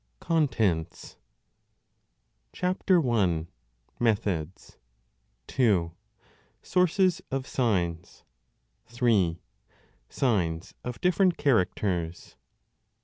CONTENTS CHAP. 1. Methods. 2. Sources of signs. 3. Signs of different characters.